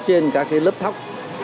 trên các lớp thóc